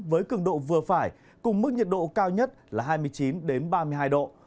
với cường độ vừa phải cùng mức nhiệt độ cao nhất là hai mươi chín ba mươi hai độ